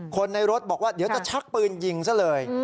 คนในรถบอกว่าเดี๋ยวจะชักปืนยิงซะเลย